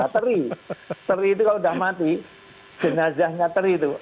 teri teri itu kalau sudah mati jenazahnya teri itu